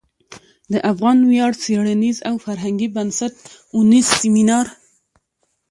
د افغان ویاړ څیړنیز او فرهنګي بنسټ او نیز سمینار